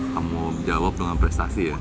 kamu jawab dengan prestasi ya